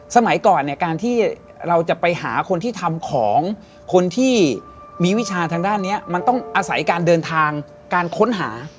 สมัยก่อนเนี่ยการที่เราจะไปหาคนที่ทำของคนที่มีวิชาทางด้านนี้มันต้องอาศัยการเดินทางการค้นหา